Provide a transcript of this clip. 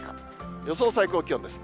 予想最高気温です。